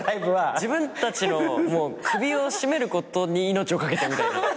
自分たちの首を絞めることに命を懸けてるみたいな。